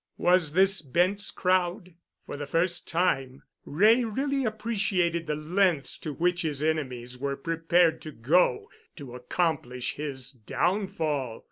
Was this Bent's crowd? For the first time Wray really appreciated the lengths to which his enemies were prepared to go to accomplish his downfall.